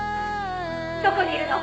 どこにいるの？」